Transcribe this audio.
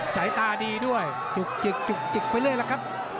สายตาดีด้วยจุกจิกจุกจิกไปเลยล่ะครับ